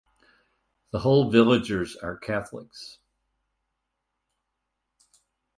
The whole villagers are Catholics.